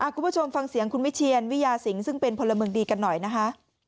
คุณผู้ชมฟังเสียงคุณวิเชียนวิยาสิงซึ่งเป็นพลเมืองดีกันหน่อยนะคะ